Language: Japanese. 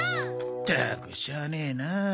ったくしゃあねえな。